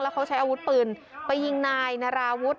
เขาใช้อาวุธปืนไปยิงนายนาราวุฒิ